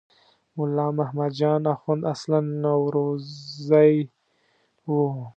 ملا محمد جان اخوند اصلاً نورزی و.